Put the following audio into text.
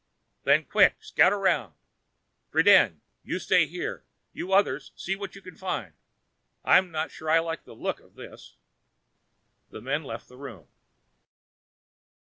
Then quick, scout around Friden, you stay here; you others, see what you can find. I'm not sure I like the looks of this." The men left the room.